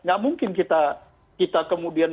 nggak mungkin kita kemudian